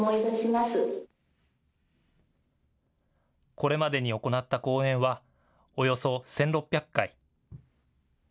これまでに行った講演はおよそ１６００回。